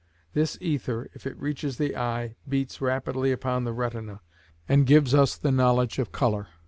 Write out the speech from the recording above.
This ether, if it reaches the eye, beats rapidly upon the retina, and gives us the knowledge of colour.